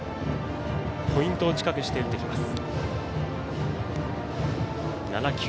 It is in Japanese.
ポイントを近くして打ってきます。